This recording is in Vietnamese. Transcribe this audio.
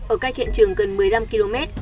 ở cây hiện trường gần một mươi năm km